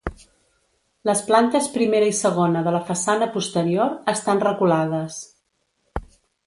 Les plantes primera i segona de la façana posterior estan reculades.